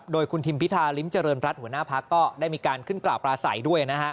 โดยคุณทิมพิธาริมเจริญรัฐหัวหน้าพักก็ได้มีการขึ้นกล่าวปราศัยด้วย